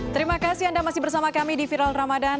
terima kasih anda masih bersama kami di viral ramadan